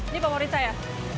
ini mau merica ya